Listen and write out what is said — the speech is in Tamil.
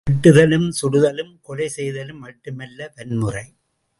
வெட்டுதலும் சுடுதலும், கொலை செய்தலும் மட்டுமல்ல வன்முறை.